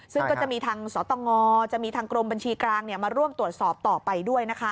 ซึ่งก็จะมีทางสตงจะมีทางกรมบัญชีกลางมาร่วมตรวจสอบต่อไปด้วยนะคะ